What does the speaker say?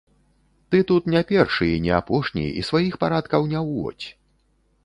Ты тут не першы і не апошні і сваіх парадкаў не ўводзь.